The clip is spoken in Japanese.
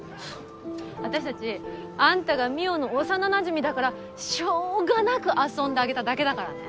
私たちあんたが望緒の幼なじみだからしょうがなく遊んであげただけだからね。